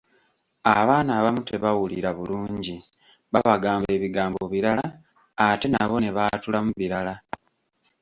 "Abaana abamu tebawulira bulungi, babagamba ebigambo birala ate nabo ne baatulamu birala."